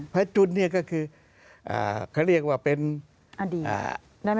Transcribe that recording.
จุนเนี่ยก็คือเขาเรียกว่าเป็นอดีต